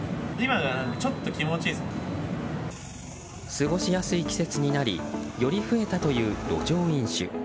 過ごしやすい季節になりより増えたという路上飲酒。